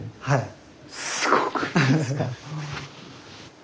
はい。